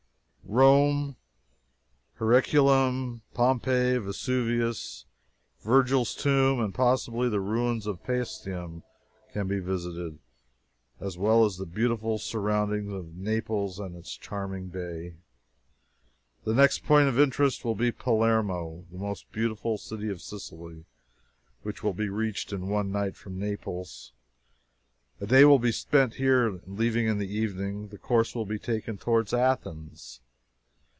Rome [by rail], Herculaneum, Pompeii, Vesuvius, Vergil's tomb, and possibly the ruins of Paestum can be visited, as well as the beautiful surroundings of Naples and its charming bay. The next point of interest will be Palermo, the most beautiful city of Sicily, which will be reached in one night from Naples. A day will be spent here, and leaving in the evening, the course will be taken towards Athens.